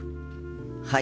はい。